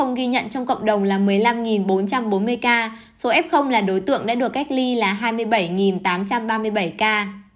ghi nhận trong cộng đồng là một mươi năm bốn trăm bốn mươi ca số f là đối tượng đã được cách ly là hai mươi bảy tám trăm ba mươi bảy ca